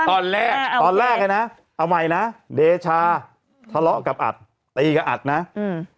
ตอนแรกตอนแรกเลยนะเอาใหม่นะเดชาทะเลาะกับอัดตีกับอัดนะอืม